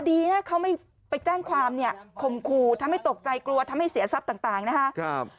ดีนะเค้าไม่ไปแจ้งความขมครูทำให้ตกใจกลัวทำให้เสียทรัพย์ต่างนะคะ